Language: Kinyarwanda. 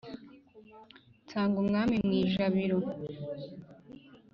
nsanga umwami mu ijabiro